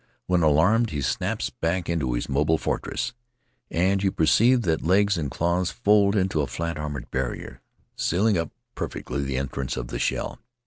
When alarmed he snaps back into his mobile fortress, and you perceive that legs and claws fold into a fiat armored barrier, sealing up perfectly the entrance of the shell.